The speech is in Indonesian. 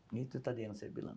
ini itu tadi yang saya bilang